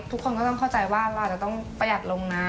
ทุกคนก็ต้องเข้าใจว่าเราอาจจะต้องประหยัดลงนะ